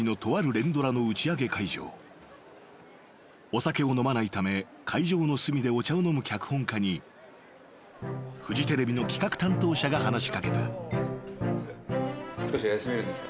［お酒を飲まないため会場の隅でお茶を飲む脚本家にフジテレビの企画担当者が話し掛けた］